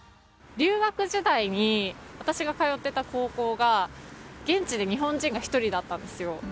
留学時代に私が通ってた高校が現地で日本人が１人だったんですよ。